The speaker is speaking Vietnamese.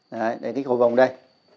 đấy đây cái cỏ vồng đây